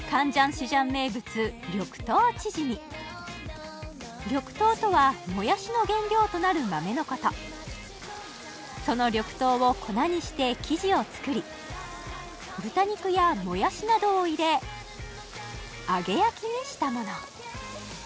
市場名物緑豆チヂミ緑豆とはもやしの原料となる豆のことその緑豆を粉にして生地を作り豚肉やもやしなどを入れ揚げ焼きにしたもの